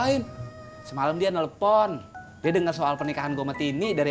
ini tuh gueatch nya deh